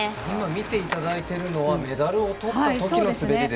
今見ていただいているのはメダルをとったときの滑りですね。